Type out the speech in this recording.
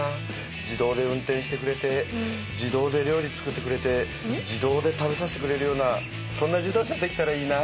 自動で運転してくれて自動で料理作ってくれて自動で食べさせてくれるようなそんな自動車できたらいいな。